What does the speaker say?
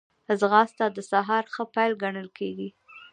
ځغاسته د سهار ښه پيل ګڼل کېږي